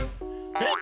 えっ？